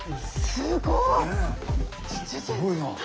すごいな。